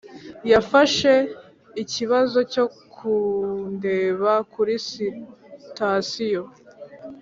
yafashe ikibazo cyo kundeba kuri sitasiyo.